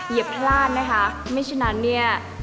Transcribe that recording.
อย่าพลาดนะคะไม่ฉะนั้นเนี่ย